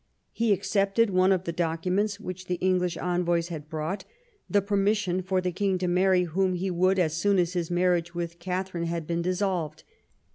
He accepted one of the documents which the English envoys had brought, the permission for the king to marry whom he would as soon as his marriage with Katharine had been dissolved.